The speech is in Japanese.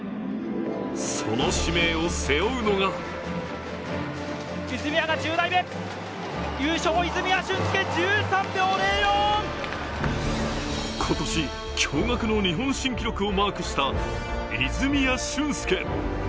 その使命を背負うのが今年驚がくの日本新記録をマークした泉谷駿介。